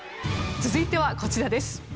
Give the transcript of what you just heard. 続いてはこちらです。